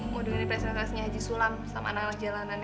mau dari presentasinya haji sulam sama anak anak jalanan